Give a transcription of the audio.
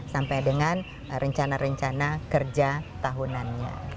sampai dengan rencana rencana kerja tahunannya